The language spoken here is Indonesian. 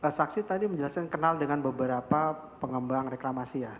saksi tadi menjelaskan kenal dengan beberapa pengembang reklamasi ya